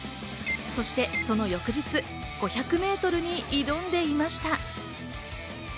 そしてその翌日、５００メートルに挑んでいました。